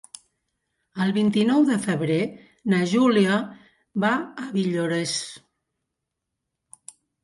El vint-i-nou de febrer na Júlia va a Villores.